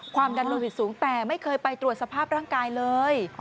ความดันโลหิตสูงแต่ไม่เคยไปตรวจสภาพร่างกายเลย